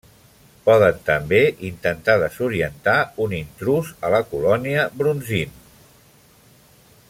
Poden també intentar desorientar un intrús a la colònia brunzint.